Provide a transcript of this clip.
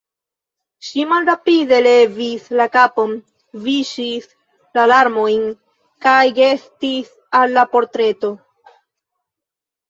Ŝi malrapide levis la kapon, viŝis la larmojn kaj gestis al la portreto.